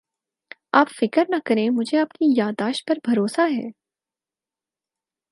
آپ فکر نہ کریں مجھے آپ کی یاد داشت پر بھروسہ ہے